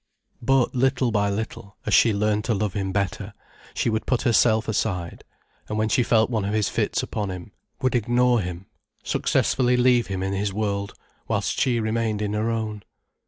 But little by little, as she learned to love him better, she would put herself aside, and when she felt one of his fits upon him, would ignore him, successfully leave him in his world, whilst she remained in her own.